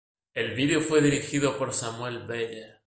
El vídeo fue dirigido por Samuel Bayer.